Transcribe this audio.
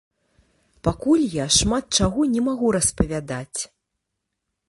Пакуль я шмат чаго не магу распавядаць.